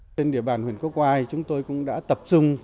hãy đăng ký kênh để ủng hộ kênh của chúng mình nhé